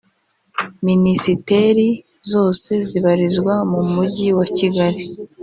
Minisiteri zose zibarizwa mu Mujyi wa Kigali